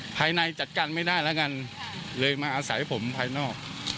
ภายในจัดการไม่ได้แล้วกันเลยมาอาศัยผมภายนอก